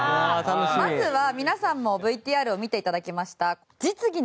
まずは皆さんもＶＴＲを見て頂きました